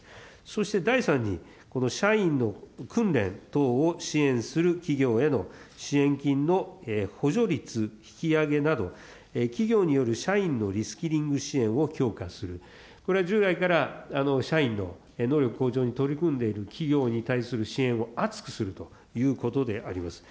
そして第三に、社員の訓練等を支援する企業への支援金の補助率引き上げなど、企業による社員のリスキリング支援を強化する、これは従来から社員の能力向上に取り組んでいる企業に対する支援を厚くするということであります。